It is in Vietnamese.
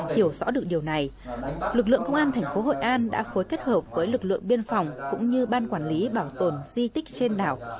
hiểu rõ được điều này lực lượng công an thành phố hội an đã phối kết hợp với lực lượng biên phòng cũng như ban quản lý bảo tồn di tích trên đảo